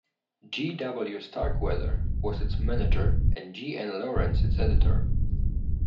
G. W. Starkweather was its manager and G. N. Lawrence its editor.